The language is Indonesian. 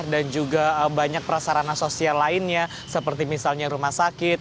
dan juga banyak prasarana sosial lainnya seperti misalnya rumah sakit